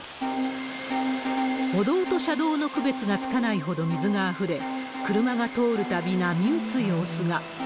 歩道と車道の区別がつかないほど水があふれ、車が通るたび、波打つ様子が。